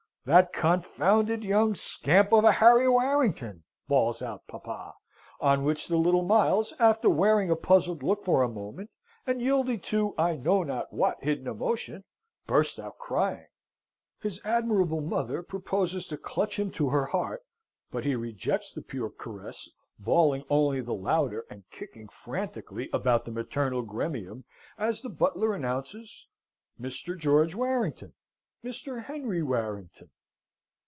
"That confounded young scamp of a Harry Warrington!" bawls out papa; on which the little Miles, after wearing a puzzled look for a moment, and yielding to I know not what hidden emotion, bursts out crying. His admirable mother proposes to clutch him to her heart, but he rejects the pure caress, bawling only the louder, and kicking frantically about the maternal gremium, as the butler announces "Mr. George Warrington, Mr. Henry Warrington!"